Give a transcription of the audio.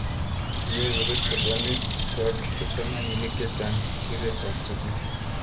kiyai kuubet sobonwek kwak kipsomaninik che chang' keretab sukul